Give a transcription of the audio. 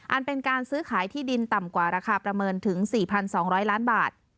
เป็นการซื้อขายที่ดินต่ำกว่าราคาประเมินถึง๔๒๐๐ล้านบาท